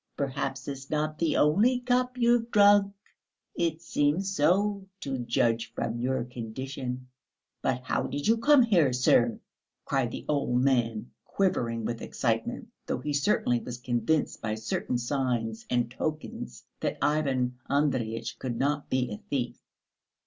Perhaps it's not the only cup you've drunk. It seems so, to judge from your condition. But how did you come here, sir?" cried the old gentleman, quivering with excitement, though he certainly was convinced by certain signs and tokens that Ivan Andreyitch could not be a thief.